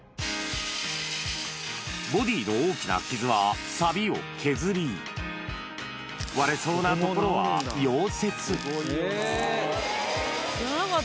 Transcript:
ボディの大きな傷は、さびを削り、割れそうなところは溶接。